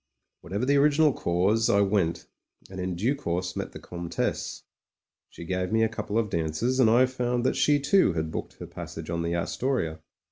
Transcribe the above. Whatever the original cause — I went: and in due course met the Comtesse. She gave me a couple of dances, and I found that she, too, had booked her passage on the Astoria.